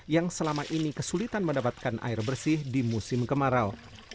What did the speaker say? yang selama ini kesulitan mendapatkan air bersih di musim kemarau